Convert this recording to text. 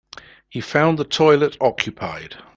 He found the toilet occupied.